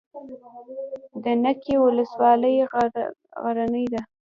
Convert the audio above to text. د نکې ولسوالۍ غرنۍ ده